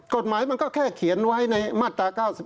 กฎหมายมันก็แค่เขียนไว้ในมาตรา๙๑